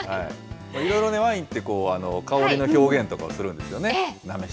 いろいろね、ワインって香りの表現とかをするんですよね。